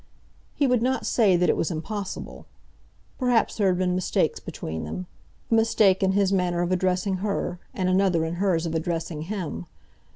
He would not say that it was impossible. Perhaps there had been mistakes between them; a mistake in his manner of addressing her, and another in hers of addressing him.